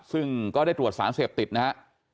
ซึ่งก็ได้ตรวจสารเสพติดนะฮะ